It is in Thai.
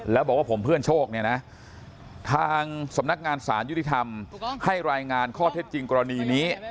แล้วบอกว่าผมเพื่อนโชคเนี่ยนะทางสำนักงานสารยุติธรรมให้รายงานข้อเท็จจริงกรณีนี้